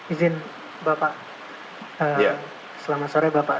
izin bapak selamat sore bapak